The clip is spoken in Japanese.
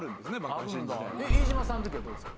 飯島さんの時はどうですか？